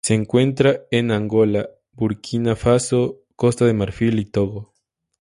Se encuentra en Angola, Burkina Faso, Costa de Marfil y Togo.